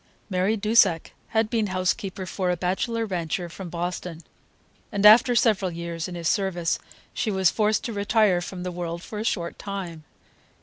Mary Dusak had been housekeeper for a bachelor rancher from Boston, and after several years in his service she was forced to retire from the world for a short time.